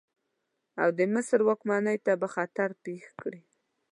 او د مصر واکمنۍ ته به خطر پېښ کړي.